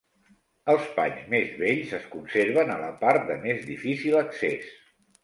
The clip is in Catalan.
Els panys més vells es conserven a la part de més difícil accés.